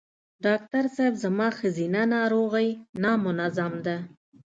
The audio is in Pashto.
ډاکټر صېب زما ښځېنه ناروغی نامنظم ده